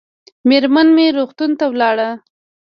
مېرمن مې روغتون ته ولاړه